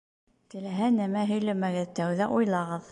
Теләһә нәмә һөйләмәгеҙ, тәүҙә уйлағыҙ